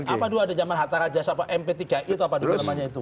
apa itu ada zaman hatta rajas atau mp tiga itu apa itu namanya itu